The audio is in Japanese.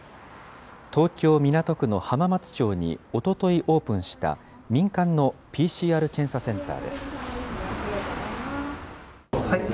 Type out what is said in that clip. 東京・港区の浜松町におとといオープンした民間のＰＣＲ検査センターです。